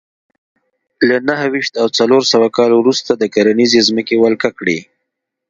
له نهه ویشت او څلور سوه کال وروسته د کرنیزې ځمکې ولکه کړې